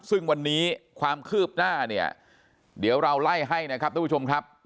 ซึ่งวันนี้ความคืบหน้าเนี่ยเดี๋ยวเราไล่ให้นะครับทุกผู้ชมครับ